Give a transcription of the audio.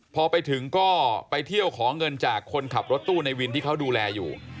พอไปถึงก็ไปเที่ยวขอเงินจากคนขับรถตู้ในวินที่เขาดูแลอยู่